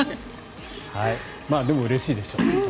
でも、うれしいでしょうね。